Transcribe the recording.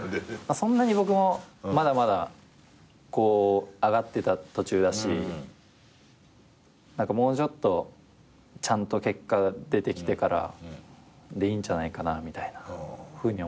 そんなに僕もまだまだ上がってた途中だし何かもうちょっとちゃんと結果出てきてからでいいんじゃないかなみたいなふうには思ってたので。